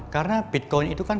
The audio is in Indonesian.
karena bitcoin itu kan